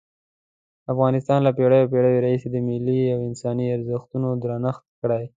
افغانستان له پېړیو پېړیو راهیسې د ملي او انساني ارزښتونو درنښت کړی.